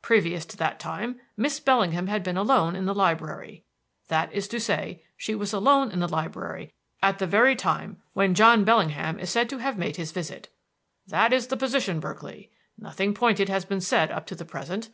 Previous to that time Miss Bellingham had been alone in the library; that is to say, she was alone in the library at the very time when John Bellingham is said to have made his visit. That is the position, Berkeley. Nothing pointed has been said up to the present.